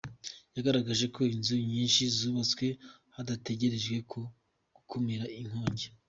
Yagaragaje ko inzu nyinshi zubatswe hadatekerejwe ku gukumira inkongi.